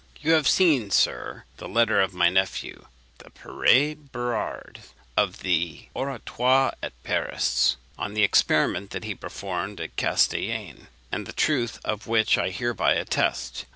You have seen, sir, the letter of my nephew, the Père Berard, of the Oratoire at Paris, on the experiment that he performed at Castellane, and the truth of which I hereby attest.